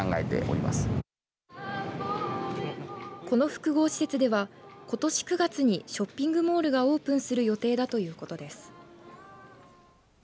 この複合施設では、ことし９月にショッピングモールがオープンする予定だということです。